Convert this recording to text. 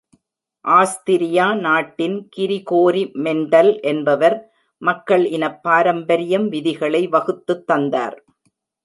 Austria நாட்டின் Gregory Mendel என்பவர், மக்கள் இனப் பாரம்பரியம் விதிகளை வகுத்துத் தந்தார்.